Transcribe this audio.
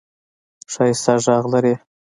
ښایسته ږغ لرې !